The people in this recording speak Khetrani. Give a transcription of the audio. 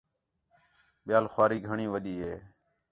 ٻِیال خُؤاری گھݨی وݙی ہِے